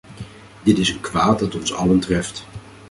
Dit is een kwaad dat ons allen treft.